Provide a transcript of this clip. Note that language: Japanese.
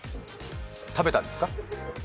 食べたんですか？